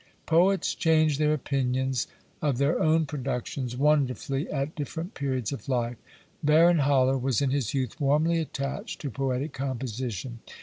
Poets change their opinions of their own productions wonderfully at different periods of life. Baron Haller was in his youth warmly attached to poetic composition.